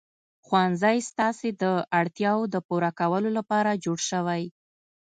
ښوونځی ستاسې د اړتیاوو د پوره کولو لپاره جوړ شوی.